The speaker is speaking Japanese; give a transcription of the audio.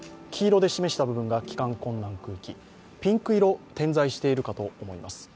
黄色で示した部分が帰還困難区域ピンク色、点在しているかと思います。